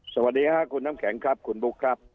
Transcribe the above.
สวัสดีค่ะคุณน้ำแข็งครับคุณบุ๊คครับ